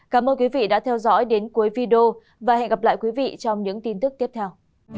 cảm ơn quý vị đã theo dõi đến cuối video và hẹn gặp lại quý vị trong những tin tức tiếp theo